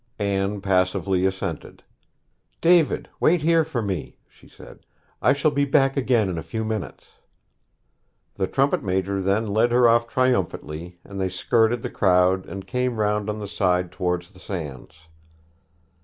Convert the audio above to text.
Anne passively assented. 'David, wait here for me,' she said; 'I shall be back again in a few minutes.' The trumpet major then led her off triumphantly, and they skirted the crowd and came round on the side towards the sands.